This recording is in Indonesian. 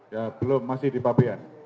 ya belum masih dipapian